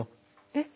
えっ？